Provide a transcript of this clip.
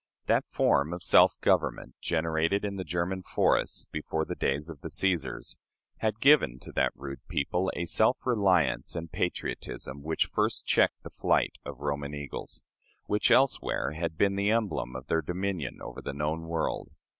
That form of self government, generated in the German forests before the days of the Cæsars, had given to that rude people a self reliance and patriotism which first checked the flight of the Roman eagles, which elsewhere had been the emblem of their dominion over the known world.